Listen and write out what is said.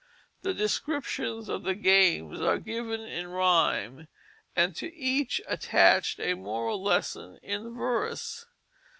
The descriptions of the games are given in rhyme, and to each attached a moral lesson in verse.